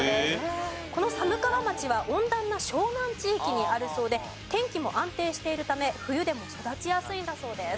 この寒川町は温暖な湘南地域にあるそうで天気も安定しているため冬でも育ちやすいんだそうです。